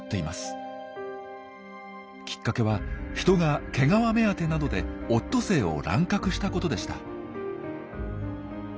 きっかけは人が毛皮目当てなどでオットセイを乱獲したことでした。